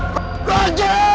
kau mau menang